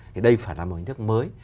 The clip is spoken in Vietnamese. thì đây phải là một hình thức mới